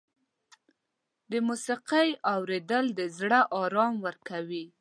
د موسیقۍ اورېدل د زړه آرام ورکوي.